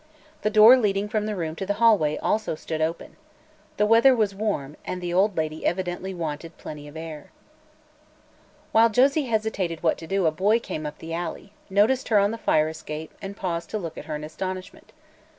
The door leading from the room to the hallway also stood open. The weather was warm, and the old lady evidently wanted plenty of air. While Josie hesitated what to do a boy came up the alley, noticed her on the fire escape and paused to look at her in astonishment.